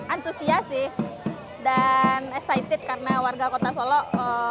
antusias sih dan excited karena warga kota solok